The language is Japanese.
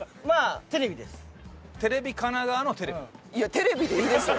テレビでいいですよ。